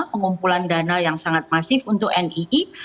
pengumpulan dana yang sangat masif untuk nii